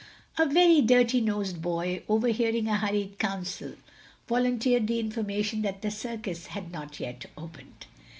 A very dirty nosed boy, overhearing a hurried council, volunteered the information that the circus had not yet opened.